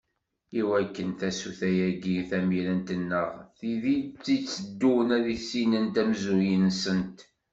I wakken, tasuta-agi tamirant neɣ tid i d-iteddun ad issinent amezruy-nsent.